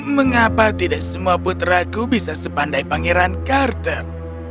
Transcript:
mengapa tidak semua putraku bisa sepandai pangeran carter